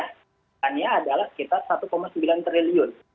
sebenarnya adalah sekitar satu sembilan triliun